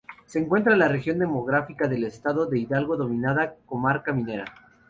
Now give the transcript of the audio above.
Se encuentra en la región geográfica del estado de Hidalgo denominada Comarca Minera.